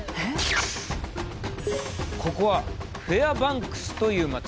ここは「フェアバンクス」という町。